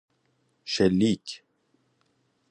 شلیک